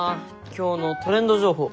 今日のトレンド情報。